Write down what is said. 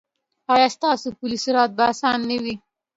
ایا ستاسو پل صراط به اسانه نه وي؟